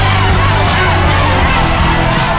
เพื่อชิงทุนต่อชีวิตสุด๑ล้านบาท